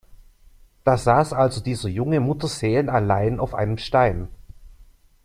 Da saß also dieser Junge mutterseelenallein auf einem Stein.